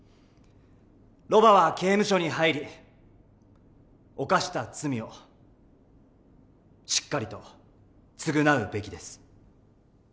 ロバは刑務所に入り犯した罪をしっかりと償うべきです。